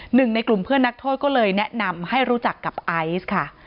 หนึ่งในกลุ่มเพื่อนนักโทษก็เลยแนะนำให้รู้จักกับไอซ์ค่ะ